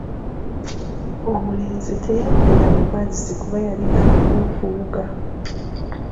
Omulenzi teyabbira mu mazzi kuba yali amanyi okuwuga.